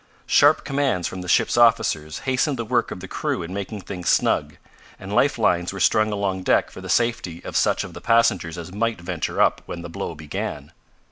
Sharp commands from the ship's officers hastened the work of the crew in making things snug, and life lines were strung along deck for the safety of such of the passengers as might venture up when the blow began.